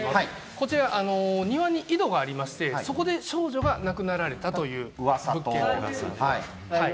こちら、庭に井戸がありまして、そこで少女が亡くなられたという噂があるんです。